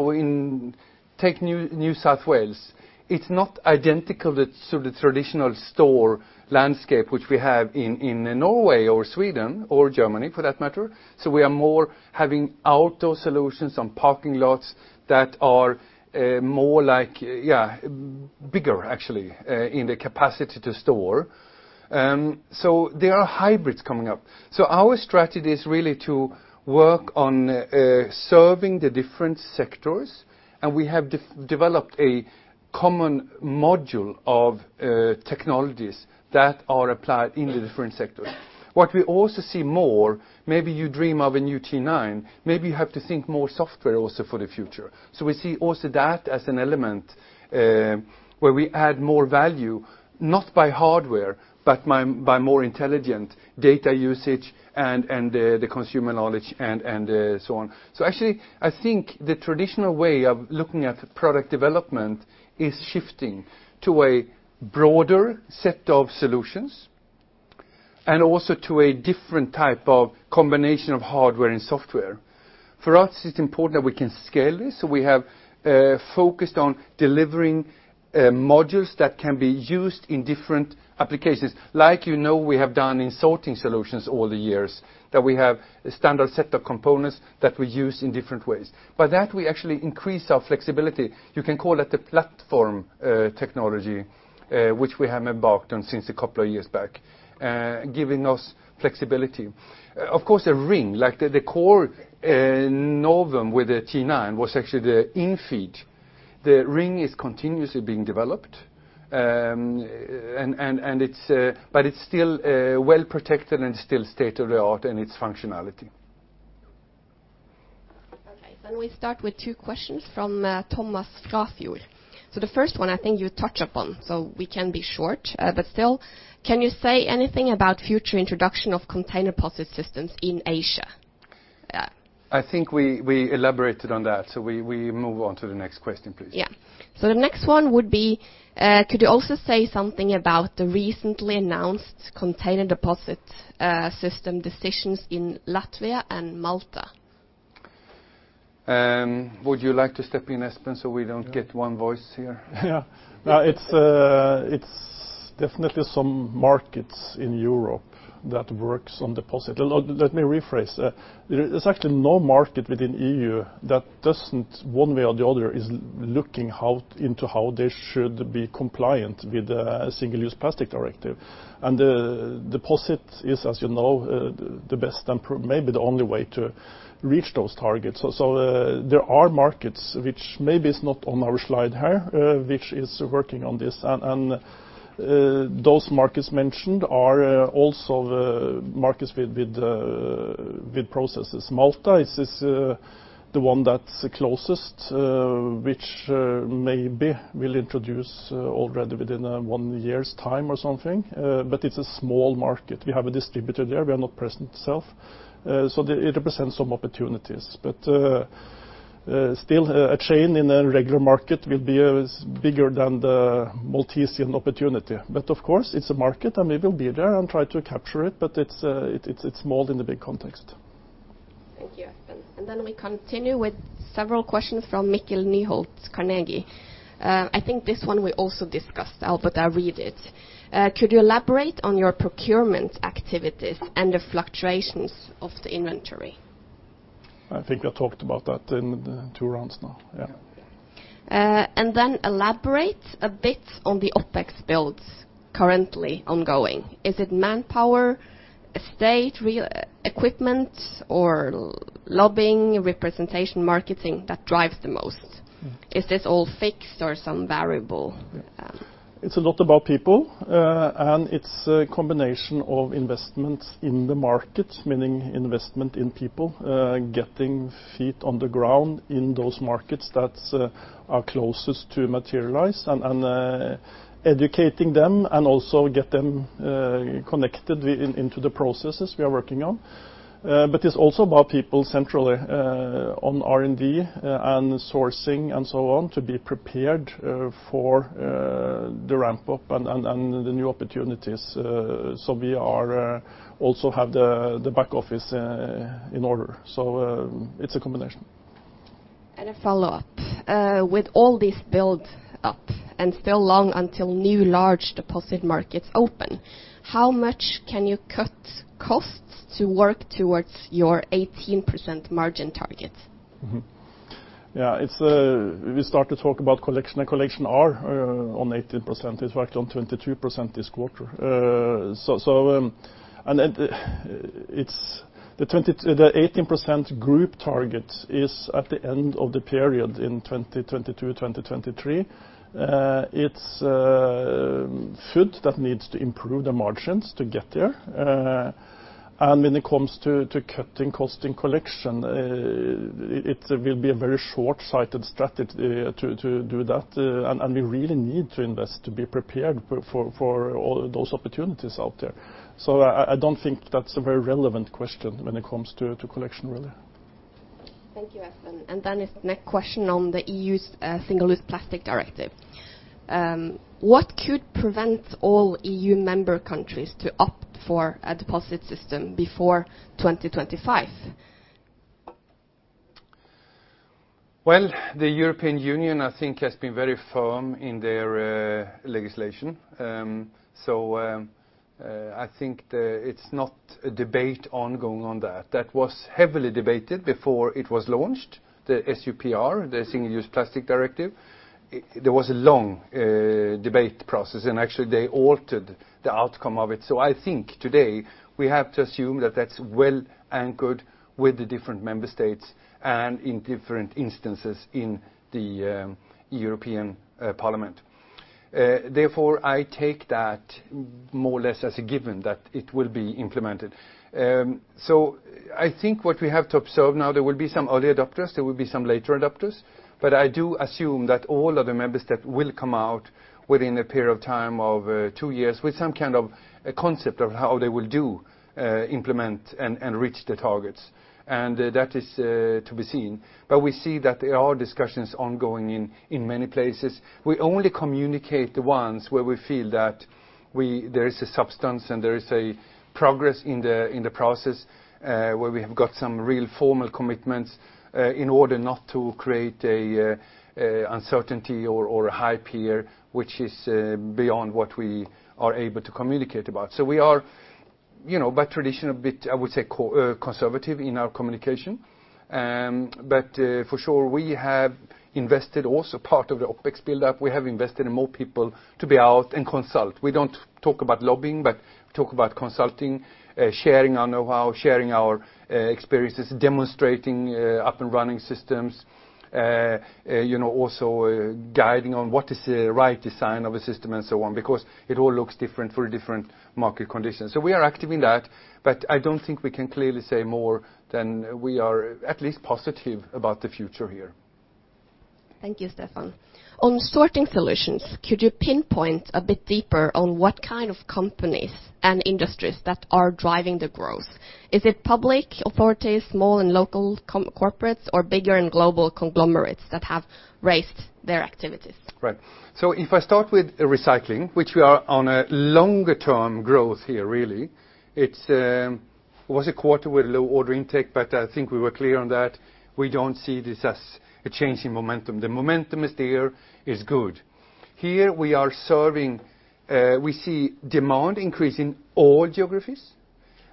Take New South Wales. It's not identical to the traditional store landscape which we have in Norway or Sweden or Germany for that matter. We are more having outdoor solutions on parking lots that are more like bigger actually in the capacity to store. There are hybrids coming up. Our strategy is really to work on serving the different sectors, and we have developed a common module of technologies that are applied in the different sectors. What we also see more, maybe you dream of a new T9, maybe you have to think more software also for the future. We see also that as an element where we add more value, not by hardware, but by more intelligent data usage and the consumer knowledge and so on. Actually, I think the traditional way of looking at product development is shifting to a broader set of solutions and also to a different type of combination of hardware and software. For us, it's important that we can scale this. We have focused on delivering modules that can be used in different applications. Like you know we have done in sorting solutions all the years, that we have a standard set of components that we use in different ways. By that, we actually increase our flexibility. You can call it the platform technology which we have embarked on since a couple of years back, giving us flexibility. Of course, a ring, like the core novum with the T9 was actually the in-feed. The ring is continuously being developed, but it's still well-protected and still state-of-the-art in its functionality. We start with two questions from Thomas Frafjord. The first one, I think you touched upon, so we can be short. Still, can you say anything about future introduction of container deposit systems in Asia? I think we elaborated on that. We move on to the next question, please. Yeah. The next one would be, could you also say something about the recently announced container deposit system decisions in Latvia and Malta? Would you like to step in, Espen, so we don't get one voice here? Yeah. It is definitely some markets in Europe that works on deposit. Let me rephrase. There is actually no market within EU that doesn't, one way or the other, is looking into how they should be compliant with the Single-Use Plastics Directive. Deposit is, as you know, the best and maybe the only way to reach those targets. There are markets, which maybe is not on our slide here, which is working on this, and those markets mentioned are also markets with processes. Malta is the one that is closest, which maybe will introduce already within one year's time or something, but it is a small market. We have a distributor there. We are not present self. It represents some opportunities, but still, a chain in a regular market will be bigger than the Maltese opportunity. Of course, it's a market and we will be there and try to capture it, but it's small in the big context. Thank you, Espen. Then we continue with several questions from Mikkel Nyholt, Carnegie. I think this one we also discussed, I'll read it. Could you elaborate on your procurement activities and the fluctuations of the inventory? I think I talked about that in two rounds now. Yeah. Elaborate a bit on the OpEx builds currently ongoing. Is it manpower, estate, equipment or lobbying, representation, marketing that drives the most? Is this all fixed or some variable? It's a lot about people, and it's a combination of investments in the market, meaning investment in people, getting feet on the ground in those markets that are closest to materialize and educating them and also get them connected into the processes we are working on. It's also about people centrally, on R&D and sourcing and so on, to be prepared for the ramp-up and the new opportunities. We also have the back office in order. It's a combination. A follow-up. With all this build-up and still long until new large deposit markets open, how much can you cut costs to work towards your 18% margin target? We start to talk about collection and collection R, on 18%. It's worked on 22% this quarter. The 18% group target is at the end of the period in 2022-2023. It's food that needs to improve the margins to get there. When it comes to cutting cost and collection, it will be a very short-sighted strategy to do that, and we really need to invest to be prepared for all those opportunities out there. I don't think that's a very relevant question when it comes to collection, really. Thank you, Espen. This next question on the EU's Single-Use Plastics Directive. What could prevent all EU member countries to opt for a deposit system before 2025? Well, the European Union, I think, has been very firm in their legislation. I think it's not a debate ongoing on that. That was heavily debated before it was launched, the SUPD, the Single-Use Plastics Directive. There was a long debate process, actually, they altered the outcome of it. I think today we have to assume that that's well anchored with the different member states and in different instances in the European Parliament. Therefore, I take that more or less as a given that it will be implemented. I think what we have to observe now, there will be some early adopters, there will be some later adopters, but I do assume that all of the member states will come out within a period of time of two years with some kind of concept of how they will do, implement, and reach the targets. That is to be seen. We see that there are discussions ongoing in many places. We only communicate the ones where we feel that there is a substance and there is progress in the process, where we have got some real formal commitments, in order not to create uncertainty or hype here, which is beyond what we are able to communicate about. We are, by tradition, a bit, I would say, conservative in our communication. For sure, we have invested also part of the OpEx buildup. We have invested in more people to be out and consult. We don't talk about lobbying, but talk about consulting, sharing our knowhow, sharing our experiences, demonstrating up and running systems. Also guiding on what is the right design of a system and so on, because it all looks different for different market conditions. We are active in that, but I don't think we can clearly say more than we are at least positive about the future here. Thank you, Stefan. On sorting solutions, could you pinpoint a bit deeper on what kind of companies and industries that are driving the growth? Is it public authorities, small and local corporates, or bigger and global conglomerates that have raised their activities? Right. If I start with recycling, which we are on a longer-term growth here, really. It was a quarter with low order intake, but I think we were clear on that. We don't see this as a change in momentum. The momentum is there, is good. Here, we see demand increase in all geographies,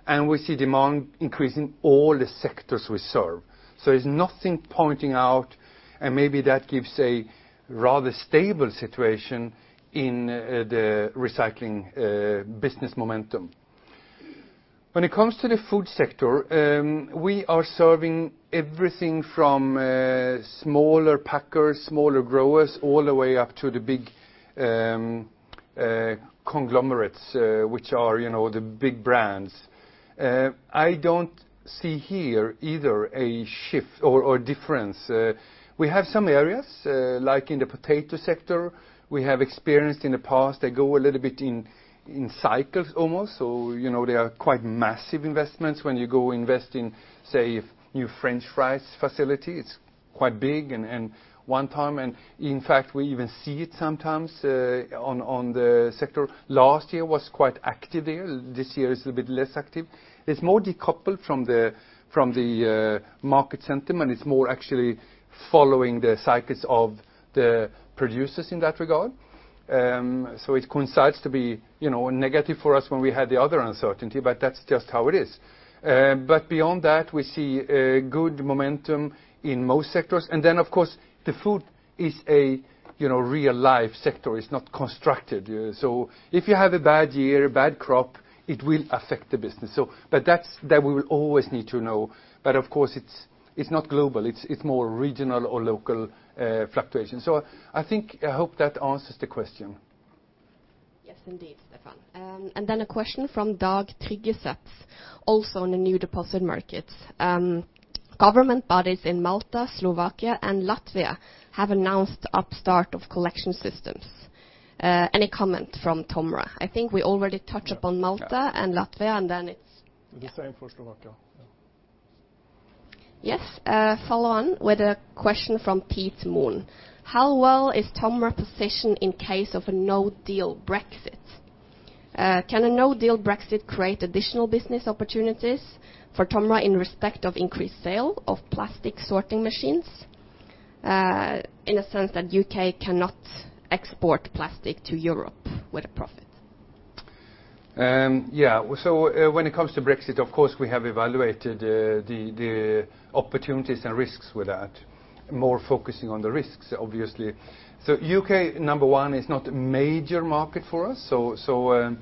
and we see demand increase in all the sectors we serve. There's nothing pointing out, and maybe that gives a rather stable situation in the recycling business momentum. When it comes to the food sector, we are serving everything from smaller packers, smaller growers, all the way up to the big conglomerates, which are the big brands. I don't see here, either, a shift or difference. We have some areas, like in the potato sector, we have experienced in the past. They go a little bit in cycles almost. They are quite massive investments when you go invest in, say, a new french fries facility. It's quite big and one time, in fact, we even see it sometimes on the sector. Last year was quite active there. This year is a bit less active. It's more decoupled from the market sentiment. It's more actually following the cycles of the producers in that regard. It coincides to be negative for us when we had the other uncertainty, but that's just how it is. Beyond that, we see a good momentum in most sectors. Of course, the food is a real live sector. It's not constructed. If you have a bad year, a bad crop, it will affect the business. That we will always need to know, but of course, it's not global. It's more regional or local fluctuations. I hope that answers the question. Yes, indeed, Stefan. A question from Dag Tryggeset, also on the new deposit markets. Government bodies in Malta, Slovakia, and Latvia have announced upstart of collection systems. Any comment from Tomra? I think we already touched upon Malta and Latvia. The same for Slovakia. Yeah. Yes. Follow on with a question from Pete Moon. How well is Tomra positioned in case of a no-deal Brexit? Can a no-deal Brexit create additional business opportunities for Tomra in respect of increased sale of plastic sorting machines, in a sense that U.K. cannot export plastic to Europe with a profit? Yeah. When it comes to Brexit, of course, we have evaluated the opportunities and risks with that, more focusing on the risks, obviously. U.K., number one, is not a major market for us, so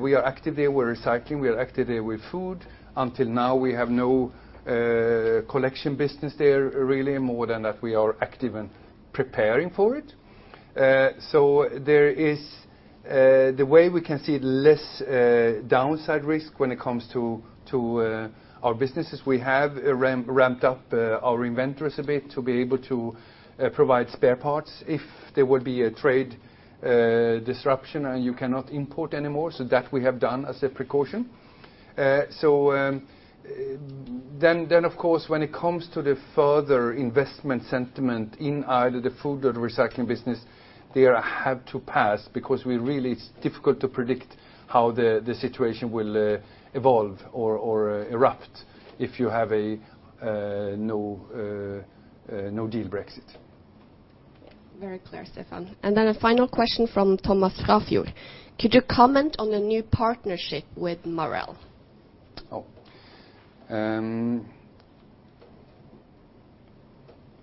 we are active there with recycling. We are active there with food. Until now, we have no collection business there, really, more than that we are active in preparing for it. The way we can see less downside risk when it comes to our businesses, we have ramped up our inventories a bit to be able to provide spare parts if there would be a trade disruption and you cannot import anymore. That we have done as a precaution. Of course, when it comes to the further investment sentiment in either the food or the recycling business, there I have to pass because, really, it's difficult to predict how the situation will evolvclear, Stefan. Then a final question from Thomas Frafjord. Could you comment on the new partnership with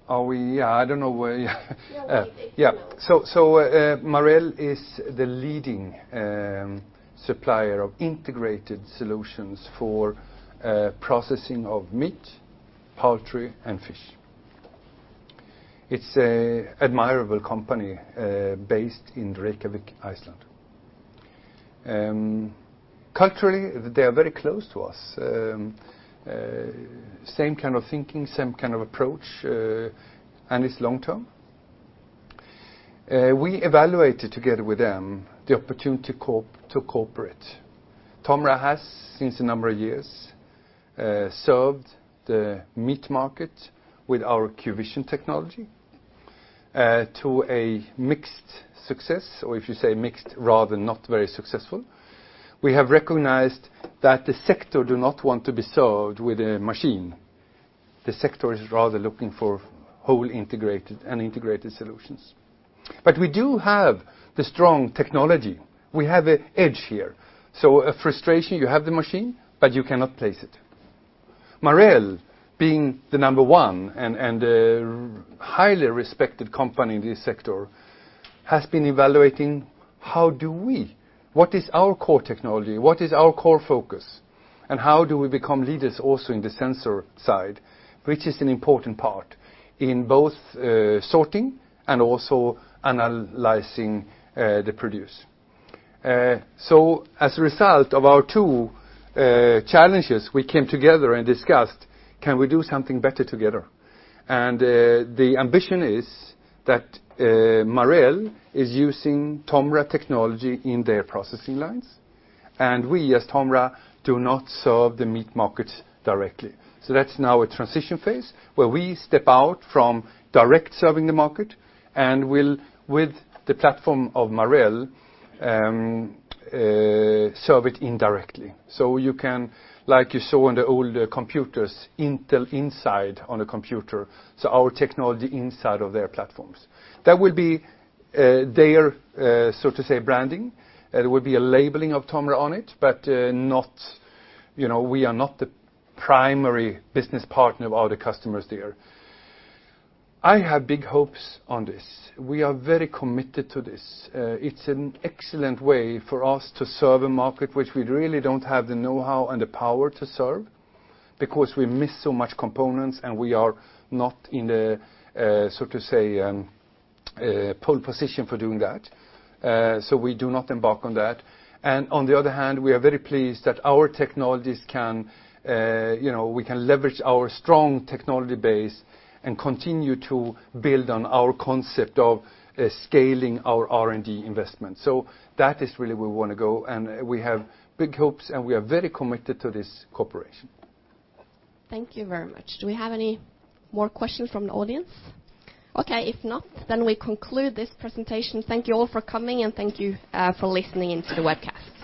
Marel? I don't know where. Yeah. If you know it. Marel is the leading supplier of integrated solutions for processing of meat, poultry, and fish. It's a admirable company based in Reykjavik, Iceland. Culturally, they are very close to us. Same kind of thinking, same kind of approach, it's long-term. We evaluated together with them the opportunity to corporate. Tomra has, since a number of years, served the meat market with our QVision technology to a mixed success. If you say mixed, rather not very successful. We have recognized that the sector do not want to be served with a machine. The sector is rather looking for whole integrated solutions. We do have the strong technology. We have a edge here. A frustration, you have the machine, you cannot place it. Marel, being the number one and a highly respected company in this sector, has been evaluating what is our core technology? What is our core focus? How do we become leaders also in the sensor side, which is an important part in both sorting and also analyzing the produce. As a result of our two challenges, we came together and discussed, can we do something better together? The ambition is that Marel is using Tomra technology in their processing lines, and we as Tomra do not serve the meat markets directly. That's now a transition phase where we step out from direct serving the market and will, with the platform of Marel, serve it indirectly. You can, like you saw on the older computers, Intel Inside on a computer, our technology inside of their platforms. That will be their, so to say, branding. It will be a labeling of Tomra on it, but we are not the primary business partner of all the customers there. I have big hopes on this. We are very committed to this. It's an excellent way for us to serve a market which we really don't have the knowhow and the power to serve, because we miss so much components, and we are not in the, so to say, pole position for doing that. So we do not embark on that. And on the other hand, we are very pleased that our technologies can leverage our strong technology base and continue to build on our concept of scaling our R&D investment. So that is really where we want to go, and we have big hopes, and we are very committed to this cooperation. Thank you very much. Do we have any more questions from the audience? Okay, if not, then we conclude this presentation. Thank you all for coming, and thank you for listening in to the webcast.